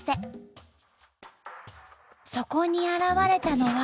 そこに現れたのは。